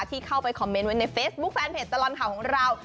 ที่เข้าไปคอมเมนต์ไว้ในเฟซบุ๊คแฟนเพจตลอดข่าวของเรา